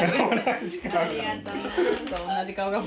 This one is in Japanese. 同じ顔だ。